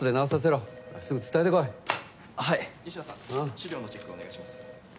・資料のチェックお願いします。